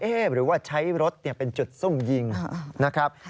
หรือว่าใช้รถเป็นจุดซุ่มยิงนะครับ